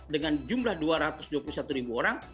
dengan jumlah dua ratus dua puluh satu ribu orang